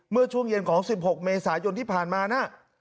เมื่อช่วงเย็นของ๑๖เมษายนที่ผ่านมานะ